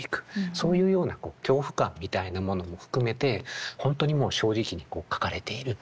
そういうような恐怖感みたいなものも含めて本当にもう正直に書かれている。